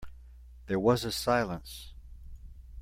There was a silence.